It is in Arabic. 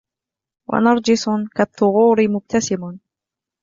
ونرجس كالثغور مبتسم